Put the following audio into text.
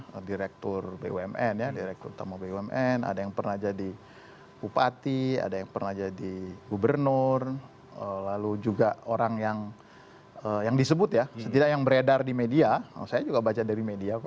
ada direktur bumn ya direktur utama bumn ada yang pernah jadi bupati ada yang pernah jadi gubernur lalu juga orang yang disebut ya setidaknya yang beredar di media saya juga baca dari media